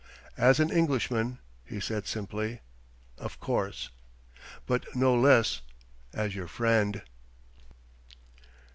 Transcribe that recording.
"As an Englishman," he said simply "of course. But no less as your friend."